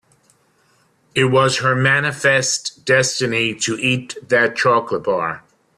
It was her manifest destiny to eat that chocolate bar.